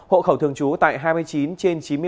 hộ khẩu thường chú tại hai mươi chín trên chín mươi ba